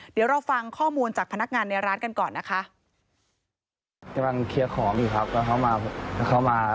เดี๋ยวเราฟังข้อมูลจากพนักงานในร้านกันก่อนนะคะ